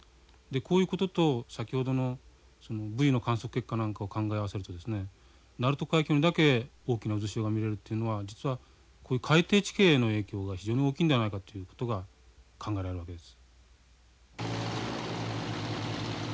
こういうことと先ほどのブイの観測結果なんかを考え合わせると鳴門海峡にだけ大きな渦潮が見れるというのは実はこういう海底地形の影響が非常に大きいのではないかということが考えられるわけです。